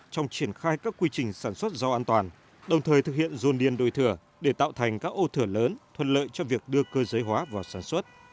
trong triển khai các quy trình sản xuất rào an toàn đồng thời thực hiện ruồn điên đôi thửa để tạo thành các ô thửa lớn thuận lợi cho việc đưa cơ giới hóa vào sản xuất